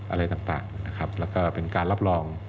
อะไรต่างนะครับแล้วก็เป็นการรับรอง